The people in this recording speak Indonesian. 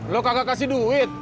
lo kagak kasih duit